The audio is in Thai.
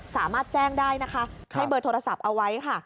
สามารถแจ้งได้นะคะให้เบอร์โทรศัพท์เอาไว้ค่ะ